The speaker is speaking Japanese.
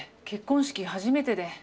結婚式初めてで。